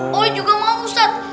boleh juga mau ustadz